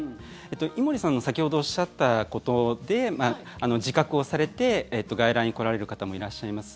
井森さんの先ほどおっしゃったことで自覚をされて外来に来られる方もいらっしゃいます。